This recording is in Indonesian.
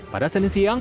pada senin siang